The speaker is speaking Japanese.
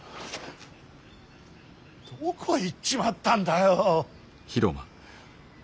どこ行っちまったんだよ。